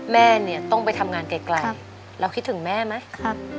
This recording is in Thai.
แม่เนี่ยต้องไปทำงานไกลแล้วคิดถึงแม่มั้ยครับ